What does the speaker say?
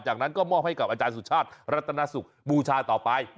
จากนั้นก็มอบให้กับอาจารย์สุชาติรัตนสุขบูชาต่อไป